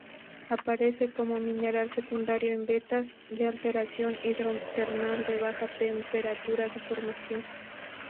Aparece como mineral secundario en vetas de alteración hidrotermal de baja temperatura de formación.